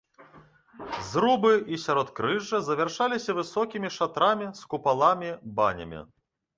Зрубы і сяродкрыжжа завяршаліся высокімі шатрамі з купаламі-банямі.